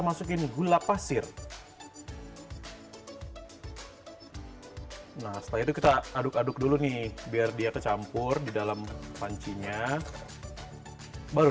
masukin gula pasir nah setelah itu kita aduk aduk dulu nih biar dia kecampur di dalam pancinya baru